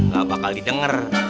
gak bakal didenger